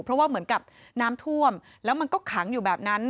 เพราะว่าเหมือนกับน้ำท่วมแล้วมันก็ขังอยู่แบบนั้น